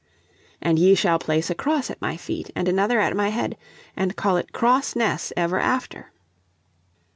And ye shall place a cross at my feet, and another at my head, and call it Cross Ness ever after."